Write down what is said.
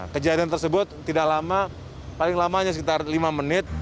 kejadian tersebut tidak lama paling lamanya sekitar lima menit